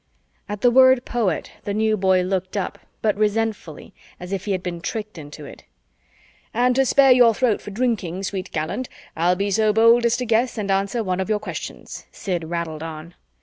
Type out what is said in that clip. At the word "poet," the New Boy looked up, but resentfully, as if he had been tricked into it. "And to spare your throat for drinking, sweet gallant, I'll be so bold as to guess and answer one of your questions," Sid rattled on.